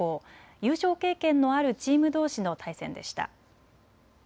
優勝経験のあるチームどうしの対戦でした。